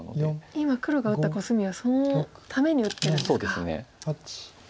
今黒が打ったコスミはそのために打ってるんですか。